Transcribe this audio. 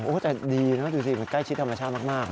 แต่ดีนะดูสิมันใกล้ชิดธรรมชาติมาก